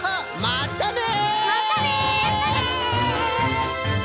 またね！